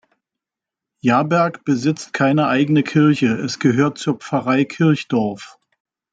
Jaberg besitzt keine eigene Kirche, es gehört zur Pfarrei Kirchdorf.